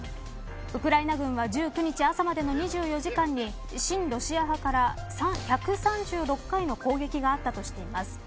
ウクライナ軍は１９日朝までの２４時間に親ロシア派から１３６回の攻撃があったとしています。